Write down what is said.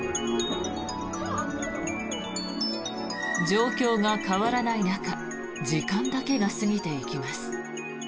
状況が変わらない中時間だけが過ぎていきます。